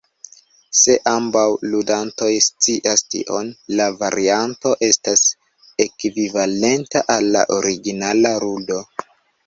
Se ambaŭ ludantoj scias tion, la varianto estas ekvivalenta al la originala ludo.